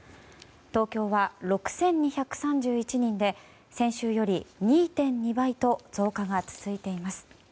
東京は６２３１人で先週より２．２倍と増加が続いています。